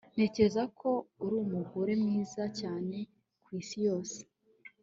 Ntekereza ko uri umugore mwiza cyane kwisi yose